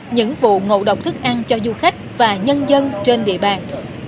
những vụ ngộ độc thức ăn cho du khách và nhân dân trên địa bàn